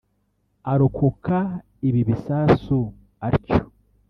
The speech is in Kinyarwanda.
arokoka ibi bisasu atyo